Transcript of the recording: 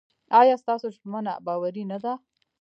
ایا ستاسو ژمنه باوري نه ده؟